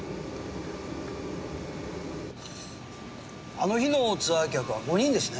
あの日のツアー客は５人ですね。